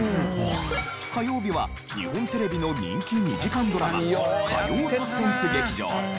火曜日は日本テレビの人気２時間ドラマ火曜サスペンス劇場。